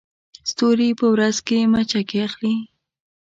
ستوري په ورځ کې مچکې اخلي